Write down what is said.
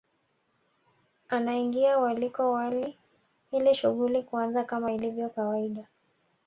Anaingia waliko wali ili shughuli kuanza kama ilivyo kawaida